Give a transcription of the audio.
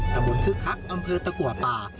ทะบุนทึกคักอำเภอตะกว่าป่า